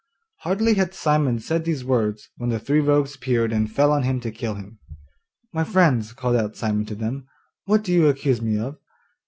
Hardly had Simon said these words when the three rogues appeared and fell on him to kill him. 'My friends,' called out Simon to then, 'what do you accuse me of?